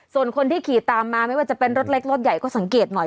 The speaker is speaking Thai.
ส่วนคนที่ขี่ตามมาไม่ว่าจะเป็นรถเล็กรถใหญ่ก็สังเกตหน่อย